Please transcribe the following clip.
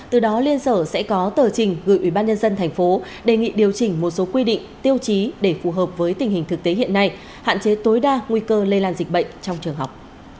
từ đó liên sở sẽ có tờ trình gửi ủy ban nhân dân thành phố đề nghị điều chỉnh một số quy định tiêu chí để phù hợp với tình hình thực tế hiện nay hạn chế tối đa nguy cơ lây lan dịch bệnh trong trường học